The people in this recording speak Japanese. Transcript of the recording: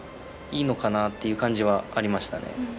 いいのかなっていう感じはありましたね。